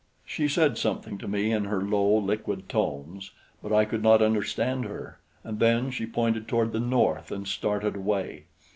She said something to me in her low, liquid tones; but I could not understand her, and then she pointed toward the north and started away.